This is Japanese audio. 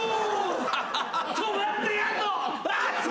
止まってやんの。